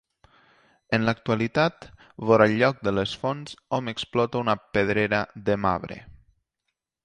En l'actualitat, vora el lloc de les Fonts hom explota una pedrera de marbre.